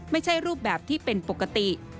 ไม่ใช่รูปแบบที่เป็นปกติ